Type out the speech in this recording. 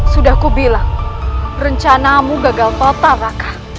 sudah kubilang rencanamu gagal total raka